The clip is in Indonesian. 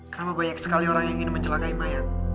kenapa banyak sekali orang yang ingin mencelakai mayang